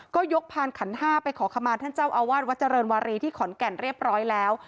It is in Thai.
ก็ยกพานขันห้าไปขอขมาท่านเจ้าอาวาสวัดเจริญวารีที่ขอนแก่นเรียบร้อยแล้ว